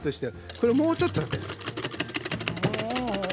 これ、もうちょっとです。